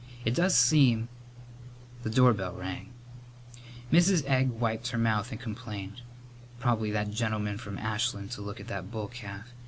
It does seem " The doorbell rang. Mrs. Egg wiped her mouth and complained, "Prob'ly that gentleman from Ashland to look at that bull calf.